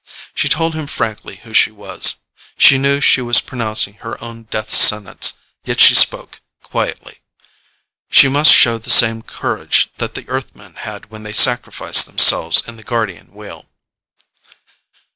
She told him frankly who she was. She knew she was pronouncing her own death sentence, yet she spoke quietly. She must show the same courage that the Earthmen had when they sacrificed themselves in the Guardian Wheel.